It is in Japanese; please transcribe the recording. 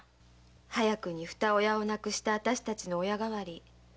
早くにふた親を亡くしたあたしたちの親代わり。